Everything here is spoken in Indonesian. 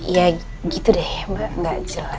ya gitu deh mbak nggak jelas